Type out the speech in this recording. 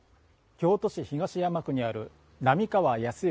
京都市東山区にある並河靖之